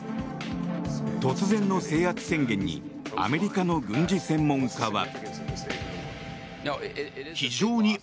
突然の制圧宣言にアメリカの軍事専門家は。